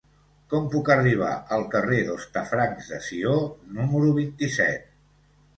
Com puc arribar al carrer d'Hostafrancs de Sió número vint-i-set?